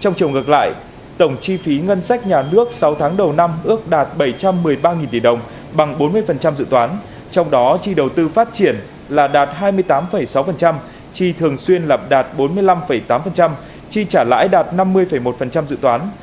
trong chiều ngược lại tổng chi phí ngân sách nhà nước sáu tháng đầu năm ước đạt bảy trăm một mươi ba tỷ đồng bằng bốn mươi dự toán trong đó chi đầu tư phát triển là đạt hai mươi tám sáu chi thường xuyên lập đạt bốn mươi năm tám chi trả lãi đạt năm mươi một dự toán